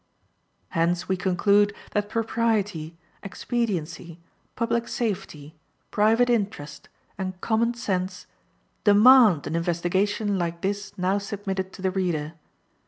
Hence we conclude that propriety, expediency, public safety, private interest, and common sense demand an investigation like this now submitted to the reader.